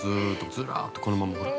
ずらっとこのまま、ほら。